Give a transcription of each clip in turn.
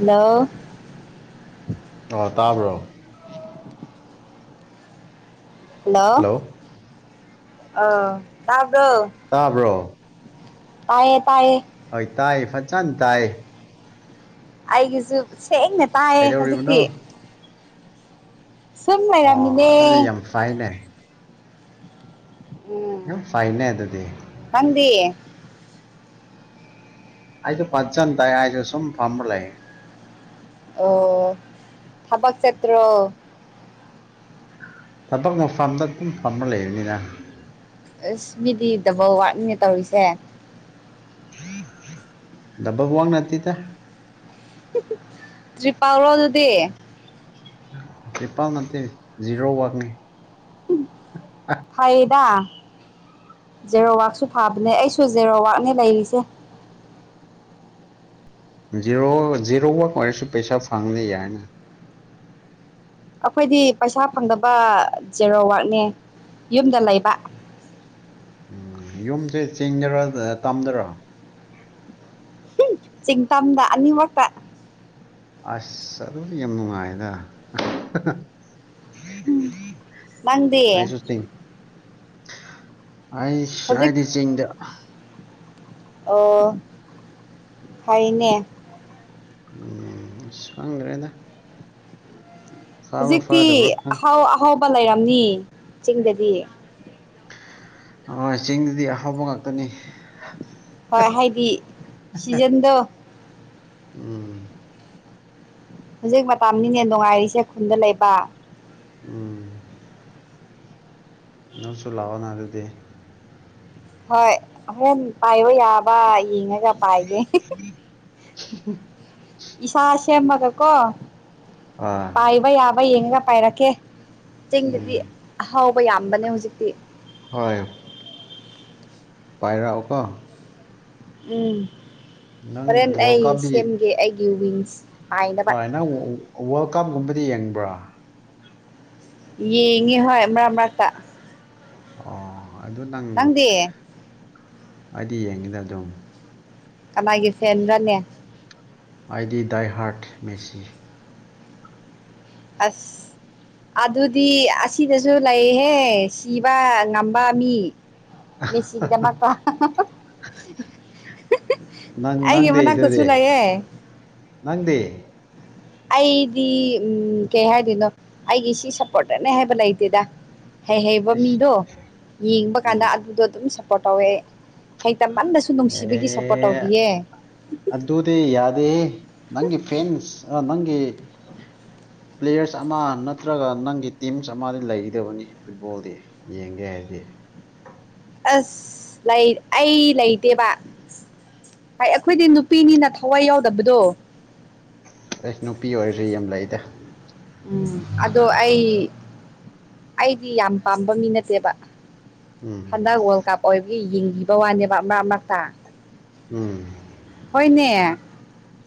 Hello ꯑꯣ ꯇꯥꯕ꯭ꯔꯣ hello ꯑ ꯇꯥꯕ꯭ꯔꯣ ꯇꯥꯕ꯭ꯔꯣ ꯇꯥꯏꯌꯦ ꯇꯥꯏꯌꯦ ꯍꯣꯏ ꯇꯥꯏ ꯐꯖꯅꯥ ꯇꯥꯏ ꯑꯩꯒꯤꯁꯨ ꯁꯦꯡꯅ ꯇꯥꯏꯌꯦ ꯍꯧꯖꯤꯛꯇꯤ ꯀꯩꯗꯧꯔꯤꯕꯅꯣ ꯁꯨꯝ ꯂꯩꯔꯝꯃꯤꯅꯦ ꯇꯥꯏꯅꯦ ꯌꯥꯝ ꯎꯝ ꯐꯩꯅꯦ ꯑꯗꯨꯗꯤ ꯅꯪꯗꯤ ꯑꯩꯁꯨ ꯐꯖꯥꯟ ꯇꯥꯏ ꯍꯥꯏꯁꯨ ꯁꯨꯝ ꯐꯝꯃꯥ ꯂꯩ ꯫ ꯑꯣ ꯊꯕꯛ ꯆꯠꯇ꯭ꯔꫭ ꯊꯕꯛ ꯃꯐꯝꯗꯥ ꯑꯗꯨꯝ ꯐꯥꯝꯃ ꯂꯩꯕꯅꯤꯅ ꯑꯁ ꯃꯤꯗꯤ ꯗꯕꯥꯜ ꯋꯥꯠꯅꯤꯅꯦ ꯇꯧꯔꯤꯁꯦ ꯗꯕꯥꯜ ꯋꯥꯛ ꯅꯠꯇꯦꯗꯥ [inaudible] ꯇ꯭ꯔꯤꯄꯥꯜꯔꯣ ꯑꯗꯨꯗꯤ ꯇ꯭ꯔꯤꯄꯥꯜ ꯅꯠꯇꯦ ꯖꯤꯔꯣ ꯋꯥꯛꯅꯤ ꯐꯌꯦꯗ ꯖꯦꯔꯣꯋꯥꯛꯁꯨ ꯐꯕꯅꯦ ꯑꯩꯁꯨ ꯖꯦꯔꯣꯋꯥꯛꯅꯦ ꯂꯩꯔꯤꯁꯦ꯫ ꯖꯤꯔꯣ ꯖꯤꯔꯣ ꯋꯥꯛ ꯑꯣꯏꯔꯁꯨ ꯄꯩꯁꯥ ꯐꯪꯉꯗꯤ ꯌꯥꯏꯅ ꯑꯩꯈꯣꯏꯗꯤ ꯄꯩꯁꯥ ꯐꯪꯗꯕ ꯖꯦꯔꯣ ꯋꯥꯔꯛꯅꯦ ꯌꯨꯝꯗ ꯂꯩꯕ ꯎꯝ ꯌꯨꯝꯁꯦ ꯆꯤꯡꯗꯔꫭ ꯇꯥꯝꯗꯔꯣ ꯆꯤꯡ ꯇꯥꯝꯗ ꯑꯅꯤꯃꯛꯇꯥ ꯑꯁ ꯑꯗꯨꯗꯤ ꯌꯥꯝ ꯅꯨꯡꯉꯥꯏꯗ ꯅꯪꯗꯤ ꯑꯩꯁꯨ ꯆꯤꯡ ꯍꯥꯏꯁꯨ ꯍꯧꯖꯤꯛ ꯍꯥꯏꯗꯤ ꯆꯤꯡꯗ ꯑꯣ ꯐꯩꯅꯦ꯫ ꯎꯝ ꯑꯁ ꯈꯪꯗ꯭ꯔꯦꯗꯥ ꯍꯧꯖꯤꯛꯇꯤ ꯑꯍꯥꯎ ꯑꯍꯥꯎꯕ ꯂꯩꯔꯝꯅꯤ ꯆꯤꯡꯗꯗꯤ꯫ ꯑ ꯆꯤꯡꯗꯨꯗꯤ ꯑꯍꯥꯎꯕ ꯉꯥꯛꯇꯅꯤ꯫ ꯍꯣꯏ ꯍꯥꯏꯗꯤ ꯁꯤꯖꯟꯗꯣ ꯎꯝ꯫ ꯍꯧꯖꯤꯛ ꯃꯇꯝꯅꯤꯅꯦ ꯅꯨꯡꯉꯥꯏꯔꯤꯁꯦ ꯈꯨꯟꯗ ꯂꯩꯕ꯫ ꯎꯝ꯫ ꯅꯪꯁꯨ ꯂꯥꯛꯑꯣꯅ ꯑꯗꯨꯗꯤ ꯍꯣꯏ ꯑꯍꯨꯝ ꯄꯥꯏꯕ ꯌꯥꯕ ꯌꯦꯡꯉꯒ ꯄꯥꯏꯒꯦ [inaudible] ꯏꯁꯥ ꯁꯦꯝꯃꯥꯒ ꯀꯣ ꯑꯥ ꯄꯥꯏꯕ ꯌꯥꯕ ꯌꯦꯡꯉꯒ ꯄꯥꯏꯔꯛꯀꯦ ꯆꯤꯡꯗꯗꯤ ꯎꯝ ꯑꯍꯥꯎꯕ ꯌꯥꯝꯕꯅꯦ ꯍꯧꯖꯤꯛꯇꯤ ꯍꯣꯏ ꯄꯥꯏꯔꯛꯑꫭ ꯀꯣ ꯎꯝ ꯅꯪ ꯍꯣꯔꯦꯟ ꯋꯥꯔꯜ ꯑꯩ ꯀꯞꯇꯤ ꯁꯦꯝꯒꯦ ꯑꯩꯒꯤ ꯋꯤꯡꯁ ꯄꯥꯏꯅꯕ ꯍꯣꯏ ꯅꯪ ꯋꯥꯔꯜ ꯀꯞꯒꯨꯝꯕꯗꯤ ꯌꯦꯡꯕ꯭ꯔꯥ ꯌꯦꯡꯉꯦ ꯍꯣꯏ ꯃꯔꯛ ꯃꯔꯛꯇ ꯑꯣ ꯑꯗꯨ ꯅꯪ ꯅꯪꯗꯤ ꯑꯩꯗꯤ ꯌꯦꯡꯉꯤꯗ ꯑꯗꯨꯝ ꯀꯃꯥꯏꯒꯤ ꯐꯦꯟꯔꯅꯦ ꯑꯥꯏ ꯗꯤ ꯗꯥꯏ ꯍꯥꯔꯠ ꯃꯦꯁꯤ ꯑꯁ ꯑꯗꯨꯗꯤ ꯑꯁꯤꯗꯁꯨ ꯂꯩꯍꯦ ꯁꯤꯕ ꯉꯝꯕ ꯃꯤ ꯃꯦꯁꯤꯒꯤꯗꯃꯛꯛꯇ ꯅꯪ ꯅꯪꯗꯤ ꯑꯩꯒꯤꯃꯅꯥꯛꯇꯁꯨ ꯑꯗꯨꯗꯤ ꯀꯡ ꯂꯌꯦ ꯅꯪꯗꯤ ꯑꯩꯗꯤ ꯎꯝ ꯀꯩ ꯍꯥꯏꯗꯣꯏꯅꯣ ꯑꯩꯒꯤ ꯁꯤ ꯁꯞꯄꯣꯔꯠꯇꯅꯦ ꯍꯥꯏꯕ ꯂꯩꯇꯦꯗ ꯍꯩ ꯍꯩꯕ ꯑꯁ ꯃꯤꯗꯣ ꯌꯦꯡꯕ ꯎꯝ ꯀꯥꯟꯗ ꯑꯗꯨꯗꯣ ꯑꯗꯨꯝ ꯁꯞꯄꯣꯔꯠ ꯇꯧꯋꯦ ꯍꯩꯇꯃꯟꯗꯁꯨ ꯅꯨꯡꯁꯤꯕꯒꯤ ꯁꯞꯄꯣꯔꯠ ꯇꯧꯕꯤꯌꯦ ꯑꯗꯨꯗꯗꯤ ꯌꯥꯗꯦꯍꯦ ꯅꯪꯒꯤ ꯐꯦꯟꯁ ꯑ ꯅꯪꯒꯤ ꯄ꯭ꯂꯦꯌꯔꯁ ꯑꯃ ꯅꯠꯇ꯭ꯔꯒ ꯅꯪꯒꯤ ꯇꯤꯝꯁ ꯑꯃꯗꯤ ꯂꯩꯒꯗꯕꯅꯤ ꯐꯨꯠꯕꯣꯜꯗꯤ ꯌꯦꯡꯒꯦ ꯍꯥꯏꯗꯤ ꯑꯁ ꯂꯩ ꯑꯩ ꯂꯩꯇꯦꯕ ꯍꯥꯏ ꯑꯩꯈꯣꯏꯗꯤ ꯅꯨꯄꯤꯅꯤꯅ ꯊꯋꯥꯏ ꯌꯥꯎꯗꯕꯗꯣ ꯑꯩꯁ ꯅꯨꯄꯤ ꯑꯣꯏꯔꯁꯤ ꯌꯥꯝ ꯂꯩꯗ ꯎꯝ ꯑꯗꯣ ꯑꯩ ꯑꯩꯗꯤ ꯌꯥꯝ ꯄꯥꯝꯕ ꯃꯤ ꯅꯠꯇꯦꯕ ꯎꯝ ꯍꯟꯗꯛ ꯋꯥꯔꯜ ꯀꯞ ꯑꯣꯏꯕꯒꯤ ꯌꯦꯡꯕꯤꯕ ꯋꯥꯅꯦꯕ ꯃꯔꯛ ꯃꯔꯛꯇ ꯎꯝ ꯍꯣꯏꯅꯦ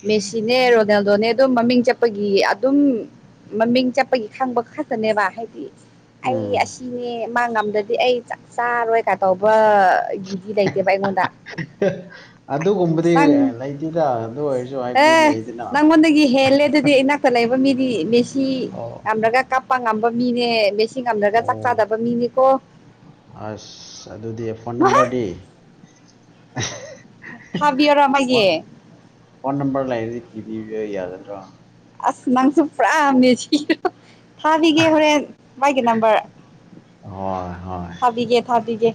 ꯃꯦꯁꯤꯅꯦ ꯔꯣꯅꯥꯜꯗꯣꯅꯦ ꯑꯗꯨꯝ ꯃꯃꯤꯡ ꯆꯠꯄꯒꯤ ꯑꯗꯨꯝ ꯃꯃꯤꯡ ꯆꯠꯄꯒꯤ ꯈꯪꯕ ꯈꯛꯇꯅꯦꯕ ꯍꯥꯏꯗꯤ ꯎꯝ ꯑꯩ ꯑꯁꯤꯅꯦ ꯃꯥ ꯉꯝꯗꯗꯤ ꯑꯩ ꯆꯥꯔꯣꯏ ꯀꯥ‌ ꯇꯧꯕ ꯗꯨꯗꯤ ꯂꯩꯇꯦꯕ ꯑꯩꯉꯣꯟꯗ ꯑꯗꯨꯒꯨꯝꯕꯗꯤ ꯅꯪ ꯂꯩꯇꯦꯗ ꯑꯗꯨ ꯑꯣꯏꯔꯁꯨ ꯍꯥꯏꯕꯗꯤ ꯂꯩꯗꯅ ꯟꯉꯣꯟꯗꯒꯤ ꯍꯦꯜꯂꯦ ꯑꯗꯨꯗꯤ ꯑꯩꯅ ꯂꯩꯕ ꯃꯤꯗꯤ ꯃꯦꯁꯤ ꯑꯣ ꯌꯥꯝꯂꯒ ꯀꯞꯄ ꯉꯝꯕ ꯃꯤꯅꯦ ꯃꯦ ꯉꯝꯗ꯭ꯔꯒ ꯑꯣ ꯆꯥꯛ ꯆꯥꯗꯕ ꯃꯤꯅꯤꯀꯣ ꯑꯁ ꯑꯗꯨꯗꯤ ꯐꯣꯟ ꯅꯝꯕꯔꯗꯤ ꯊꯥꯕꯤꯌꯔꯣ ꯐꯣꯟ ꯃꯥꯒꯤ ꯐꯣꯟ ꯅꯝꯕꯔ ꯂꯩꯔꯗꯤ‌ ꯄꯤꯕꯤꯕ ꯌꯥꯒꯗꯔꯣ ꯑ ꯅꯪꯁꯨ ꯄꯨꯔꯥ ꯃꯦꯁꯤ ꯊꯥꯕꯤꯒ ꯍꯣꯔꯦꯟ ꯃꯥꯒꯤ ꯅꯝꯕꯔ ꯍꯣꯏ ꯍꯣꯏ ꯊꯥꯕꯤꯒꯦ ꯊꯥꯕꯤꯒꯦ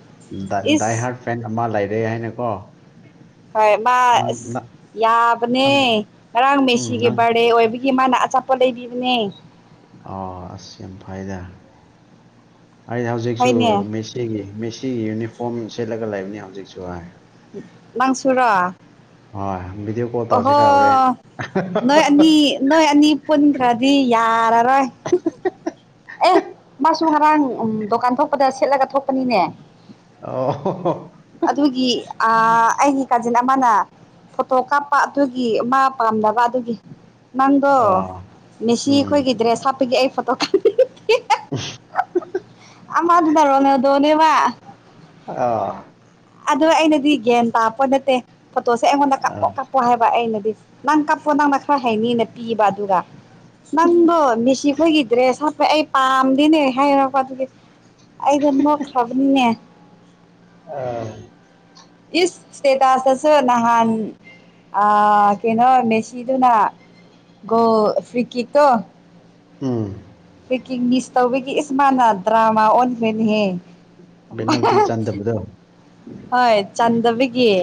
ꯏꯁ ꯐꯔꯦꯟ‌ ꯑꯃꯥ ꯂꯩꯔꯦ ꯍꯥꯏꯅꯀꯣ ꯍꯣꯏ ꯃꯥ ꯅꯪ ꯅꯪ ꯌꯥꯕꯅꯦ ꯅꯪ- ꯉꯔꯥꯡ ꯎꯝ ꯃꯦꯁꯤꯒꯤ ꯅꯪ ꯕꯥꯔꯗꯦ ꯑꯣꯏꯕꯒꯤ ꯃꯥꯅ ꯑꯆꯥꯄꯣꯠ ꯂꯩꯕꯤꯕꯅꯦ ꯑꯣ ꯑꯁ ꯌꯥꯝ ꯐꯩꯗ ꯑꯩꯅ ꯍꯧꯖꯤꯛꯁꯨ ꯍꯣꯏꯅꯦ ꯃꯦꯁꯤ ꯁꯤꯒꯤ ꯃꯦꯁꯤꯒꯤ ꯌꯨꯅꯤꯐꯣꯔꯝ ꯁꯦꯠꯂꯒ ꯂꯩꯕꯅꯤ ꯍꯧꯖꯤꯛꯁꯨ ꯍꯥꯏ ꯅꯪꯁꯨꯨꯔꯣ ꯑꯣꯏ ꯕꯤꯗꯤꯌꯣ ꯑꯣꯍꯣ ꯅꯣꯏ ꯑꯅꯤ ꯅꯣꯏ ꯑꯅꯤ ꯄꯨꯟꯈ꯭ꯔꯗꯤ ꯌꯥꯔꯔꯣꯏ ꯑꯦ ꯃꯥꯁꯨ ꯉꯔꯥꯡ ꯗꯨꯀꯥꯟ ꯊꯣꯛꯄꯗ ꯁꯦꯠꯂꯒ ꯊꯣꯛꯄꯅꯤꯅꯦ ꯑꯣ ꯑꯗꯨꯒꯤ ꯑ ꯑꯩꯒꯤ ꯀꯥꯖꯤꯟ ꯑꯃꯅ ꯐꯣꯇꯣ ꯀꯥꯞꯄ ꯑꯗꯨꯒꯤ ꯃꯥ ꯄꯥꯝꯅꯕ ꯑꯗꯨꯒꯤ ꯅꯪꯗꯣ ꯑꯥ ꯃꯦꯁꯤ ꯎꯝ ꯑꯩꯈꯣꯏꯒꯤ ꯗ꯭ꯔꯦꯁ ꯍꯥꯞꯄꯒꯤ ꯑꯩ ꯐꯣꯇꯣ [inaudible] ꯑꯃꯗꯨꯗꯔꫭ [unintelligible] ꯑ ꯑꯗꯣ ꯑꯩꯅꯗꯤ ꯒ꯭ꯌꯥꯟ ꯇꯥꯄꫭꯠ ꯅꯠꯇꯦ ꯐꯣꯇꯣꯁꯦ ꯑꯩꯉꯣꯟꯗ ꯀꯥꯞꯄꯣ ꯀꯥꯞꯄꯣ ꯍꯥꯏꯕ ꯑꯩꯅꯗꯤ ꯅꯪ ꯀꯞꯄꯣ ꯅꯪꯅ ꯈꯔ ꯍꯥꯏꯩꯅꯤꯅ ꯄꯤꯕ ꯑꯗꯨꯒ ꯅꯪꯗꯣ ꯃꯤꯁꯤ ꯈꯣꯏꯒꯤ ꯗ꯭ꯔꯦꯁ ꯍꯥꯞꯄꯦ ꯑꯩ ꯄꯥꯝꯗꯦꯅꯦ ꯍꯥꯏꯛꯄ ꯑꯗꯨꯒꯤ ꯑꯩꯗꯤ ꯅꯣꯛꯈ꯭ꯔꯕꯅꯤꯅꯦ ꯑ ꯏꯁ ꯁ꯭ꯇꯦꯇꯥꯁꯁꯨ ꯅꯍꯥꯟ ꯑ ꯀꯩꯅꯣ ꯃꯦꯁꯤꯗꯨꯅ ꯒꫭꯜ ꯐ꯭ꯔꯤ ꯀꯤꯛ ꯇꯣ ꯎꯝ ꯐ꯭ꯔꯤ ꯀꯤꯛ ꯃꯤꯁ ꯇꯧꯕꯒꯤ ꯏꯁ ꯃꯥꯅꯥ ꯗ꯭ꯔꯥꯃꯥ ꯑꯣꯟꯈ꯭ꯔꯦꯅꯦꯍꯦ ꯕꯦꯅꯜꯇꯤ ꯆꯟꯗꯕꯗꯣ ꯍꯣꯏ ꯆꯥꯟꯗꯕꯒꯤ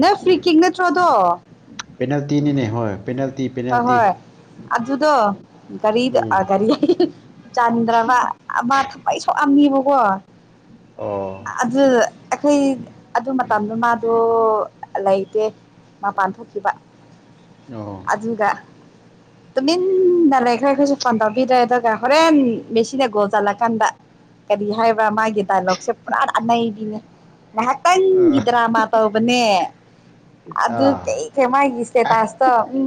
ꯅꯪ ꯐ꯭ꯔꯤ ꯀꯤꯛ ꯅꯠꯇ꯭ꯔꯣ ꯑꯗꯣ ꯄꯦꯅꯥꯜꯇꯤꯅꯤ ꯅꯦ ꯍꯣꯏ ꯄꯦꯅꯜꯇꯤ ꯍꯣꯏ ꯍꯣꯏ ꯑꯗꯨꯗꯣ ꯒꯥꯔꯤꯗ ꯎꯝ ꯒꯥꯔꯤ ꯑꯌꯦ ꯆꯥꯟꯗ꯭ꯔꯕ ꯑꯃ ꯊꯃꯩ ꯁꯣꯛꯑꯝꯃꯦꯕꯀꯣ ꯑꯣ ꯑꯗꯨ ꯑꯩꯈꯣꯏ ꯑꯗꯨ ꯃꯇꯝꯗꯣ ꯃꯥꯗꯣ ꯂꯩꯇꯦ ꯃꯄꯥꯟ ꯊꯣꯛꯈꯤꯕ ꯑꯣ ꯑꯗꯨꯒ ꯇꯨꯃꯤꯟꯅ ꯂꯩꯈ꯭ꯔꯦ ꯑꯩꯈꯣꯏꯁꯨ ꯐꯣꯟ ꯇꯧꯕꯤꯗ꯭ꯔꯦ ꯑꯗꯨꯒ ꯍꯣꯔꯦꯟ ꯃꯦꯁꯤꯅ ꯒꫭꯜ ꯆꯜꯂꯀꯥꯟꯗ ꯀꯔꯤ ꯍꯥꯏꯕ꯭ꯔ ꯃꯥꯒꯤ ꯗꯥꯏꯂꯣꯛꯁꯦ ꯄꯨꯔꯥ ꯇꯥꯟꯅꯩꯔꯤꯅꯦ ꯑꯥ ꯉꯥꯏꯍꯥꯛꯇꯪꯒꯤ ꯗ꯭ꯔꯥꯃꯥ ꯇꯧꯕꯅꯦ ꯑꯗꯨ ꯑꯥ ꯀꯩ ꯃꯥꯒꯤ ꯁ꯭ꯇꯦꯇꯥꯁꯇꯣ ꯎꯝ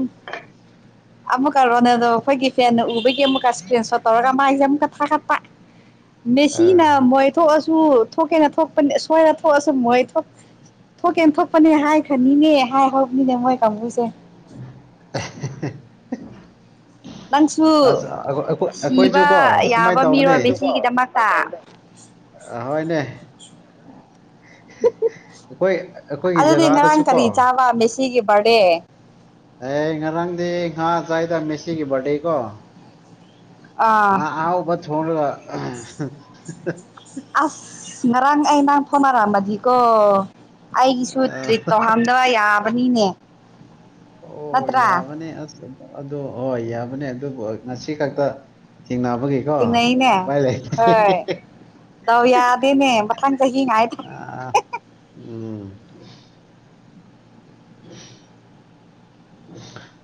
ꯑꯃꯛꯀ ꯔꯣꯅꯥꯜꯗꫭ ꯈꯣꯏꯒꯤ ꯐꯦꯟꯅ ꯎꯕꯒꯤ ꯀꯤ ꯑꯃꯨꯛꯀ ꯏꯁꯀ꯭ꯔꯤꯟ ꯁꯣꯠ ꯇꯧꯔꯒ ꯃꯥꯥꯏꯁꯦ ꯑꯃꯨꯛꯀ ꯊꯥꯒꯠꯄ ꯃꯦꯁꯤꯅ ꯃꯣꯏ ꯊꯣꯛꯑꯁꯨ ꯊꯣꯛꯀꯦꯅ ꯊꯣꯛꯄꯅꯤ ꯁꯣꯏꯔ ꯊꯣꯛꯑꯁꯨ ꯃꯣꯏ ꯊꯣꯛ ꯊꯣꯛꯀꯦꯅ ꯊꯣꯛꯄꯅꯦ ꯍꯥꯏꯈ꯭ꯔꯅꯤꯅꯦ ꯍꯥꯏ ꯍꯧꯕꯅꯤꯅꯦ ꯃꯣꯏ ꯀꯥꯡꯕꯨꯁꯦ [unintelligible] ꯅꯪꯁꯨ ꯑꯁ ꯑꯩꯈꯣꯏ ꯑꯩꯈꯣꯏ ꯁꯤꯕ ꯑꯩꯈꯣꯏꯁꯨꯀꯣ ꯁꯨꯃꯥꯏꯅ ꯌꯥꯕ ꯃꯤꯔꯣ ꯇꯧꯕꯅꯦ ꯃꯦꯁꯤꯒꯤꯗꯃꯛꯇ ꯑ ꯍꫭꯏꯅꯦ ꯑꯩꯈꯣꯏ ꯑꯩꯈꯣꯏꯒꯤ ꯖꯒꯥꯗꯁꯨ ꯀꯣ ꯁꯤꯒꯤ ꯕꯥꯔꯗꯦ ꯑꯦ ꯉꯔꯥꯡꯗꯤ ꯉꯥ ꯆꯥꯏꯗ ꯃꯦꯁꯤꯒꯤ ꯕꯥꯔꯗꯦ ꯀꯣ ꯉꯥ ꯑꯥ ꯑꯥꯍꯥꯎꯕ ꯊꯣꯡꯔꯒ ꯑꯁ ꯉꯔꯥꯡ ꯑꯩ ꯅꯪ ꯐꯥꯎꯅꯔꯝꯃꯗꯤꯀꯣ ꯑꯩꯒꯤꯁꯨ ꯑ, ꯇ꯭ꯔꯤꯠ ꯇꯏ ꯍꯥꯝ ꯇꫭ ꯌꯥꯕꯅꯤꯅꯦ ꯑꯣ ꯅꯠꯇ꯭ꯔꯥ ꯌꯥꯕꯅꯦ ꯑꯁ ꯑꯗꯣ ꯍꯣꯏ ꯌꯥꯕꯅꯦ ꯑꯗꯨꯕꯨ ꯉꯁꯤ ꯈꯛꯇ ꯊꯦꯡꯅꯕꯒꯤ ꯀꯣ ꯊꯦꯡꯅꯩꯅꯦ ꯎꯄꯥꯏ ꯂꯩꯇꯦ ꯗꯧ ꯌꯥꯗꯦꯅꯦ ꯃꯊꯪ ꯆꯍꯤ ꯉꯥꯏꯗ ꯑꯥ ꯎꯝ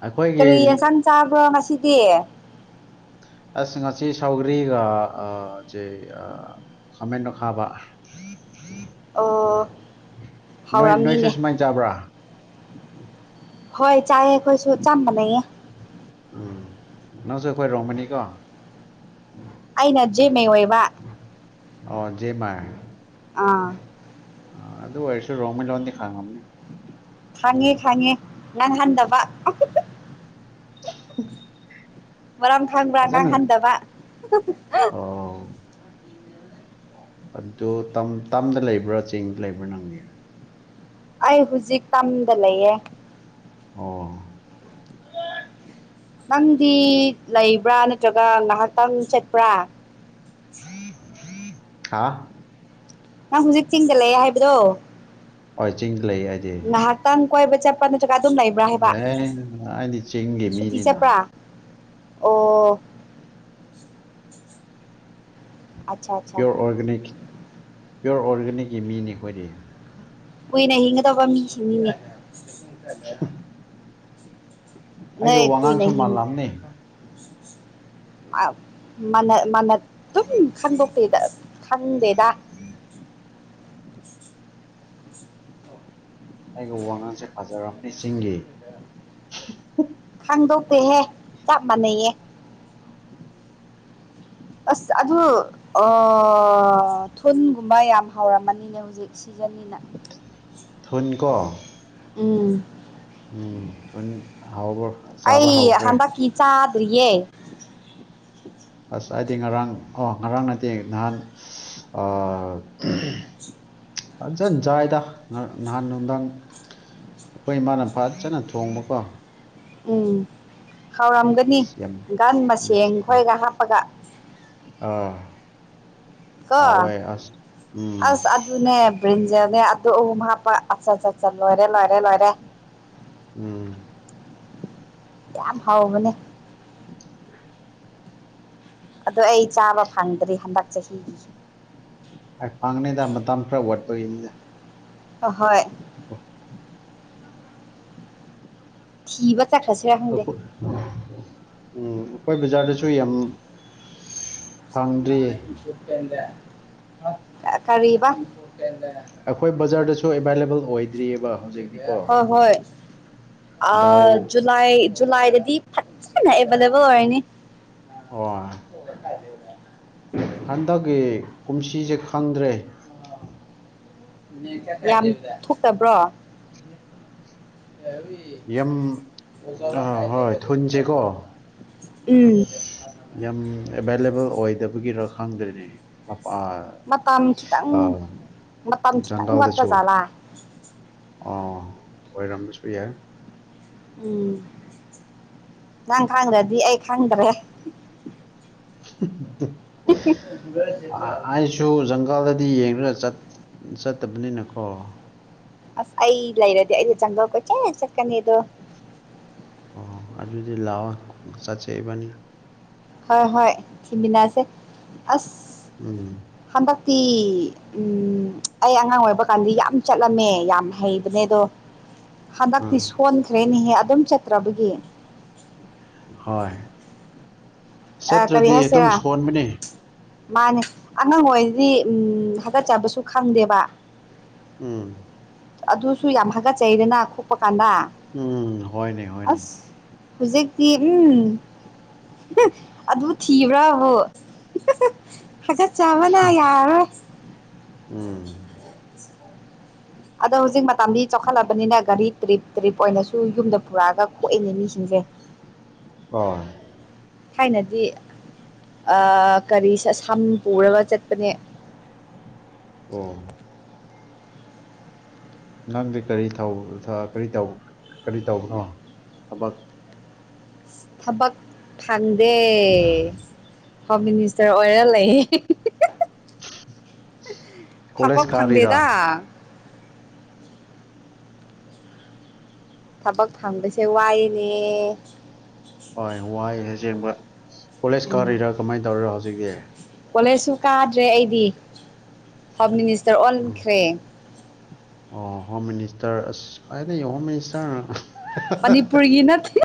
ꯑꯩꯈꯣꯏꯒꯤ ꯀꯔꯤ ꯌꯦꯟꯁꯥꯡ ꯆꯥꯕ꯭ꯔꯣ ꯉꯁꯤꯗꯤ ꯑꯁ ꯉꯁꯤ ꯁꯥꯎꯒ꯭ꯔꯤꯒ ꯁꯦ ꯈꯥꯃꯦꯟꯣ ꯑꯈꯥꯕ ꯑꯣ ꯅꯣꯏ ꯅꯣꯏꯁꯨ ꯍꯥꯎꯔꯝꯅꯤꯅꯦ ꯁꯨꯃꯥꯏꯅ ꯆꯥꯕ꯭ꯔꯥ ꯍꯣꯏ ꯆꯥꯏꯌ‌ꯦ ꯑꯩꯈꯣꯏꯁꯨ ꯆ‌ꯥꯞ ꯃꯥꯟꯅꯩꯌ‌ꯦ ꯎꯝ ꯅꯪꯁꯨ ꯑꯩꯈꯣꯏ ꯔꯣꯡꯃꯩꯅꯤꯀꯣ ꯑꯩꯅ ꯖꯦꯃꯦ ꯑꯣꯏꯕ ꯑꯣꯖꯦꯃ ꯑꯥ ꯑꯗꯨ ꯑꯣꯏꯔꯁ ꯔꯣꯃꯩ ꯂꯣꯟꯗꯤ ꯈꯥꯉꯝꯅꯤ ꯈꯥꯡꯉꯦ ꯈꯥꯡꯉꯦ ꯉꯥꯡ ꯍꯟꯗꯕ ꯃꯔꯝ ꯈꯥꯡꯕ꯭ꯔꯥ ꯉꯥꯡ ꯐꯖꯅ ꯍꯟꯗꯕ ꯑꯣ ꯑꯗꯨ ꯇꯝꯗ ꯂꯩꯕ꯭ꯔꯥ ꯆꯤꯡꯗ ꯂꯩꯕ꯭ꯔꯥ ꯅꯪꯗꯤ ꯑꯩ ꯍꯧꯖꯤꯛ ꯇꯝꯗ ꯂꯩꯌꯦ ꯑꯣ ꯅꯪꯗꯤ ꯂꯩꯕ꯭ꯔꯥ ꯅ ꯖꯒꯥ ꯉꯍꯥꯛꯇꯪ ꯆꯠꯄ꯭ꯔꯥ ꯍꯥ ꯅꯪ ꯍꯧꯖꯤꯛ ꯆꯤꯡꯗꯂꯩꯑꯦ ꯍꯥꯏꯕꯗꯣ ꯍꫭꯏ ꯆꯤꯡꯗ ꯂꯩꯌ‌ꯦ ꯉꯥꯏꯍꯥꯛꯇꯪ ꯀꯣꯏꯕ ꯆꯠꯄ꯭ꯔꯥ ꯅꯠꯇ꯭ꯔꯒ ꯑꯗꯨꯝ ꯂꯩꯕ꯭ꯔꯥ ꯍꯥꯏꯕ ꯑꯦ ꯑꯩꯗꯤ ꯆꯤꯡꯒꯤ ꯁꯨꯇꯤ ꯃꯤꯅꯤꯅ ꯆꯠꯄ꯭ꯔꯥ ꯑꯣ ꯑꯠꯆꯥ ꯑꯠꯆꯥ ꯄꯤꯌꯣꯔ ꯑꯣꯔꯒꯥꯅꯤꯛ ꯄꯤꯌꯣꯔ ꯑꯣꯔꯒꯥꯅꯤꯛꯀꯤ ꯃꯤꯅꯤ ꯑꯩꯈꯣꯏꯗꯤ ꯀꯨꯏꯅ ꯍꯤꯡꯒꯗꯕ ꯃꯤꯁꯤꯡꯅꯤꯅꯦ ꯑꯩꯒꯤ ꯅꯏ ꯅ ꯋꯥꯉꯥꯡꯁꯨ ꯃꯥꯜꯂꯝꯅꯤ [unintelligible] ꯑ ꯃꯅ ꯃꯅ [unintelligible] ꯑꯗꯨꯝ ꯈꯪꯗꯣꯛꯇꯦꯗ ꯈꯪꯗꯦꯗ ꯑꯩꯒ ꯋꯥꯉꯥꯡꯁꯦ ꯐꯖꯔꯝꯃꯦ ꯆꯤꯡꯒꯤ ꯈꯥꯟꯗꯣꯛꯇꯦꯍꯦ ꯆꯞ ꯃꯥꯟꯅꯩꯌꯦ ꯑꯁ ꯑꯗꯨ ꯊꯨꯜꯒꯨꯝꯕ ꯌꯥꯝ ꯍꯥꯎꯔꯝꯃꯅꯤꯅꯦ ꯍꯧꯖꯤꯛ ꯁꯤꯒꯅꯤꯅ ꯊꯨꯟꯀꯣ ꯎꯝ ꯎꯝ ꯊꯨꯟ ꯍꯥꯎꯕꯔꫭ ꯑꯩ ꯍꯟꯗꯛꯀꯤ ꯆꯥꯗ꯭ꯔꯤꯌꯦ ꯑꯁ ꯑꯩꯗꯤ ꯉꯔꯥꯡ ꯀꫭ ꯉꯔꯥꯡ ꯒꯠꯇ‌ꯦ ꯅꯍꯥꯟ ꯐꯖꯅꯆꯥꯏꯗ ꯅꯍꯥꯟ ꯅꯨꯡꯗꯥꯡ ꯑꯩꯈꯣꯏ ꯏꯃꯥꯅ ꯐꯥꯖꯅ ꯊꯣꯡꯕꯀꯣ ꯎꯝ ꯍꯥꯎꯔꯝꯒꯅꯤ ꯑꯁ ꯌꯥꯝ ꯒꯟ ꯃꯁꯦꯟ ꯈꯣꯏꯒ ꯍꯥꯞꯄꯒ ꯑꯥ ꯀꯣ ꯑꯋꯥꯏ ꯑꯁ ꯎꯝ ꯑꯁ ꯑꯗꯨꯅꯦ ꯕ꯭ꯔꯤꯟꯖꯔꯅꯦ ꯑꯗꯨ ꯑꯍꯨꯝ ꯍꯥꯞꯄ ꯂꯣꯏꯔꯦ ꯂꯣꯏꯔꯦ ꯂꯣꯏꯔꯦ ꯎꯝ ꯌꯥꯝ ꯍꯥꯎꯕꯅꯦ ꯎꯝ [unintelligible] ꯑꯗꯣ ꯑꯩ ꯆꯥꯕ ꯐꯪꯗ꯭ꯔꯤ ꯍꯟꯗꯛ ꯆꯍꯤꯒꯤ ꯑ‌ꯦ ꯐꯪꯅꯤꯗ ꯃꯇꯝ ꯈꯔ ꯋꯥꯠꯄꯒꯤꯅꯤꯗ ꯍꫭ ꯍꯣꯏ ꯑ [unintelligible] [inaudible] ꯊꯤꯕ ꯆꯠꯈ꯭ꯔꯁꯤꯔ ꯈꯪꯗꯦ ꯎꯝ ꯑꯩꯈꯣꯏ ꯕꯖꯥꯔꯗꯁꯨ ꯌꯥꯝ ꯐꯪꯗ꯭ꯔꯤꯌꯦ ꯀꯔꯤꯕ ꯑꯩꯈꯣꯏ ꯕꯖꯥꯔꯗꯁꯨ ꯑꯦꯕꯥꯏꯂꯦꯕꯜ ꯑꯣꯏꯗ꯭ꯔꯤꯑꯦꯕ ꯍꯣꯏ ꯍꯣꯏ ꯑ ꯗꯥꯎ ꯖꯨꯂꯥꯏ ꯖꯨꯂꯥꯏꯗꯗꯤ ꯐꯖꯅ ꯑꯦꯕꯥꯏꯂꯦꯕꯜ ꯑꯣꯏꯔꯅꯤ ꯑꯣ ꯍꯟꯗꯛꯀꯤ ꯀꯨꯝꯁꯤꯁꯦ ꯈꯪꯗ꯭ꯔꯦ ꯌꯥꯝ ꯊꯣꯛꯇꯕ꯭ꯔꯣ ꯌꯥꯝ ꯑ ꯍꯣꯏ ꯊꯨꯟꯁꯦꯀꯣ ꯎꯝ ꯌꯥꯝ ꯑꯦꯚꯥꯏꯂꯦꯕꯜ ꯑꯣꯏꯗꯕꯒꯤꯔ ꯈꯪꯗ꯭ꯔꯦꯅꯦ ꯃꯄꯥ ꯃꯇꯥꯝ ꯈꯤꯇꯪ ꯑꯥ ꯃꯇꯝ ꯈꯤꯇꯪ ꯋꯥꯠꯄ ꯖꯥꯠꯂꯥ ꯑꯣ ꯑꯣꯏꯔꯝꯕꯁꯨ ꯌꯥꯏ ꯎꯝ ꯅꯪ ꯈꯥꯡꯗꯔꯗꯤ ꯑꯩ ꯈꯪꯗꯔꯦ ꯑꯥ [unintelligible] ꯑꯩꯁꯨ ꯖꯪꯒꯥꯜꯗꯗꯤ ꯌꯦꯡꯔ ꯆꯠꯇꯕꯅꯤꯅꯀꯣ ꯑꯁ ꯑꯩ ꯂꯩꯔꯗꯤ ꯑꯩꯗꯤ ꯆꯪꯒꯜ ꯀꯣꯏꯆꯠ ꯆꯠꯀꯅꯤ ꯑꯗꯣ ꯑꯣ ꯑꯗꯨꯗꯤ ꯂꯥꯎꯑꯣ ꯆꯠꯁꯦ ꯏꯕꯅꯤ ꯍꯣꯏ ꯍꯣꯏ ꯊꯤꯃꯤꯅꯁꯦ ꯑꯁ ꯎꯝ ꯍꯟꯗꯛꯇꯤ ꯎꯝ ꯑꯩ ꯑꯉꯥꯡ ꯑꯣꯏꯕ ꯀꯥꯟꯗꯤ ꯌꯥꯝ ꯆꯠꯂꯝꯃꯦ ꯌꯥꯝ ꯍꯩꯕꯅꯦ ꯑꯗꯣ ꯍꯟꯗꯛꯇꯤ ꯎꯝ ꯁꯣꯟꯈ꯭ꯔꯦꯅꯦꯍꯦ ꯑꯗꯨꯝ ꯆꯠꯇ꯭ꯔꯕꯒꯤ ꯍꯣꯏ ꯑꯥ ꯀꯔꯤ ꯆꯠꯇ꯭ꯔꯗꯤ ꯑꯗꯨꯝ ꯍꯥꯏꯁꯤꯔꯥ ꯁꯣꯟꯕꯅꯦ ꯃꯥꯅꯦ ꯑꯉꯥꯡ ꯑꯣꯏꯔꯗꯤ ꯎꯝ ꯍꯥꯀꯠꯆꯕꯁꯨ ꯈꯪꯗꯦꯕ ꯎꯝ ꯑꯗꯨꯁꯨ ꯌꯥꯝ ꯍꯥꯒꯠꯆꯩꯗꯅ ꯈꯨꯞꯄ ꯀꯥꯟꯗ ꯎꯝ ꯍꯣꯏꯅꯦ ꯍꯣꯏꯅꯦ ꯍꯨꯖꯤꯛꯇꯤ ꯎꯝ ꯑꯗꯨ ꯊꯤꯕ꯭ꯔꯥꯕꯨ ꯍꯥꯀꯠꯆꯕꯅ ꯌꯥꯔꯔꯣꯏ ꯎꯝ ꯑꯗꯣ ꯍꯧꯖꯤꯛ ꯃꯇꯝꯗꯤ ꯆꯥꯎꯈꯠꯂꯕꯅꯤꯅ ꯒꯥꯔꯤ ꯇ꯭ꯔꯤꯞ ꯇ꯭ꯔꯤꯞ ꯑꯣꯏꯅꯁꯨ ꯌꯨꯝꯗ ꯄꯨꯔꯛꯑꯒ ꯈꯣꯛꯑꯦꯅꯦ ꯃꯤꯁꯤꯡꯁꯦ ꯍꯣꯢ ꯊꯥꯏꯅꯗꯤ ꯑꯥ ꯀꯔꯤ ꯁꯝ ꯄꯨꯔꯒ ꯆꯠꯄꯅꯦ ꯑꯣ ꯅꯪꯗꯤ ꯀꯔꯤ ꯊꯧꯊ ꯀꯔꯤ ꯇꯧ ꯀꯔꯤ ꯇꯧꯕꯅꯣ ꯊꯕꯛ ꯊꯕꯛ ꯐꯪꯗꯦ ꯍꯣꯝ ꯃꯤꯅꯤꯁꯇꯔ ꯑꯣꯏꯔ ꯂꯩꯌꯦ ꯀꯣꯂꯦꯖ ꯊꯕꯛ ꯀꯥꯔꯤꯔꯥ ꯐꯪꯗꯦꯗ ꯊꯕꯛ ꯐꯪꯕꯁꯦ ꯋꯥꯌꯦꯅꯦ ꯍꯣꯏ ꯋꯥꯏ ꯑꯁꯦꯡꯕ ꯀꯣꯂꯦꯖ ꯀꯥꯔꯤꯔꯥ ꯀꯃꯥꯏꯅ ꯇꯧꯔꯤꯔꯥ ꯍꯧꯖꯤꯛꯇꯤ ꯀꯣꯂꯦꯁꯁꯨ ꯀꯥꯗ꯭ꯔꯦ ꯑꯩꯗꯤ ꯍꯣꯝ ꯃꯤꯅꯤꯁꯇꯔ ꯎꯝ ꯑꯣꯟꯈ꯭ꯔꯦ ꯑꯣ ꯍꯣꯝ ꯃꯤꯅꯤꯁꯇꯔ ꯑꯁ ꯐꯔꯦ ꯍꯣꯝ ꯃꯤꯅꯤꯁꯇꯔꯅ ꯃꯅꯤꯄꯨꯔꯒꯤ ꯅꯠꯇꯦ